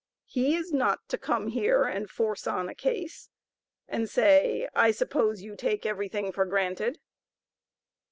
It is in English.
He is not to come here and force on a case, and say, I suppose you take every thing for granted.